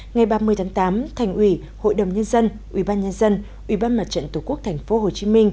ngày ba mươi tháng tám thành ủy hội đồng nhân dân ubnd tổ quốc tp hcm